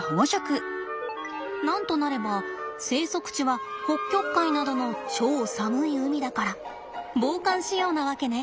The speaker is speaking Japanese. なんとなれば生息地は北極海などの超寒い海だから防寒仕様なわけね。